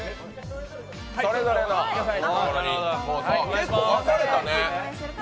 結構分かれたね。